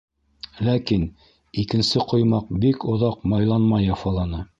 Ләкин «икенсе ҡоймаҡ» бик оҙаҡ «майланмай» яфаланы.